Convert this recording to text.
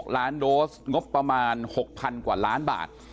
๖ล้านโดสงบประมาณ๖๐๐๐กว่าล้านบาท